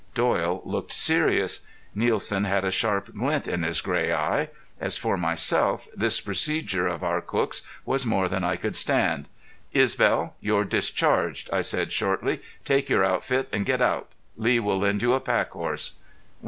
Doyle looked serious. Nielsen had a sharp glint in his gray eye. As for myself, this procedure of our cook's was more than I could stand. "Isbel, you're discharged," I said, shortly. "Take your outfit and get out. Lee will lend you a pack horse."